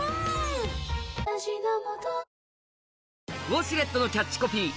ウォシュレットのキャッチコピー